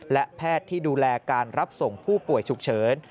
และแพทย์ที่ดูแลการรับส่งผู้ป่วยฉุกเฉิน